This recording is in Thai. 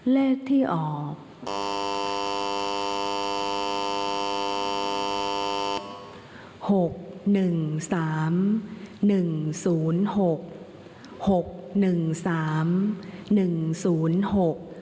เลขที่ออก